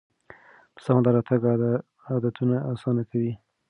په سمه لاره تګ عادتونه اسانه کوي.